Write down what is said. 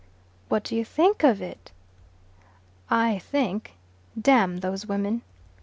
"What do you think of it?" "I think: Damn those women."